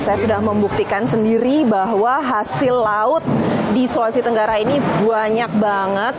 saya sudah membuktikan sendiri bahwa hasil laut di sulawesi tenggara ini banyak banget